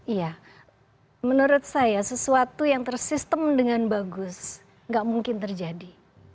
iya menurut saya sesuatu yang tersistem dengan bagus gak mungkin terjadi